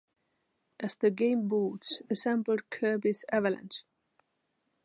As the game boots, a sampled Kirby's Avalanche!